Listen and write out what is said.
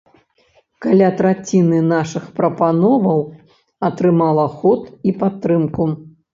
Каля траціны нашых прапановаў атрымала ход і падтрымку.